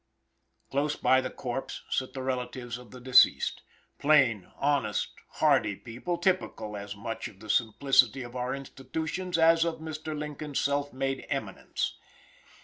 Close by the corpse sit the relatives of the deceased, plain, honest, hardy people, typical as much of the simplicity of our institutions as of Mr. Lincoln's self made eminence.